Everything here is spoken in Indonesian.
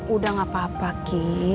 udah gapapa ki